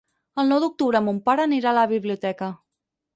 El nou d'octubre mon pare anirà a la biblioteca.